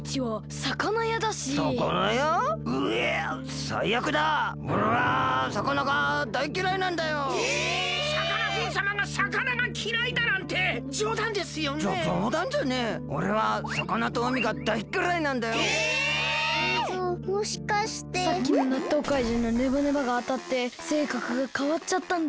さっきのなっとうかいじんのネバネバがあたってせいかくがかわっちゃったんだ。